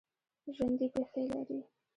ژوندي پښې لري